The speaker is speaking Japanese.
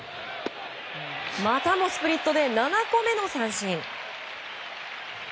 またもスプリットで７個目の三振。